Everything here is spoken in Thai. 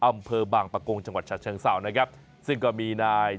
อำเพอร์บางปะกงจังหวัดชาติเชียงสาวนะครับซึ่งก็มีนาย